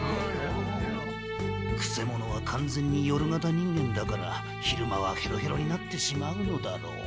くせ者は完全に夜型人間だから昼間はヘロヘロになってしまうのだろう。